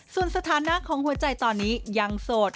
ส่วนสถานะของหัวใจตอนนี้ยังโสด